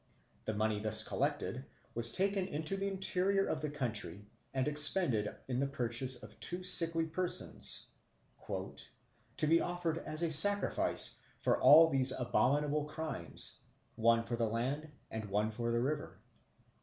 The money thus collected was taken into the interior of the country and expended in the purchase of two sickly persons "to be offered as a sacrifice for all these abominable crimes one for the land and one for the river."